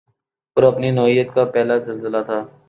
اور اپنی نوعیت کا پہلا زلزلہ تھا